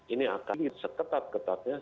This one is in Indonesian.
ini akan seketat ketatnya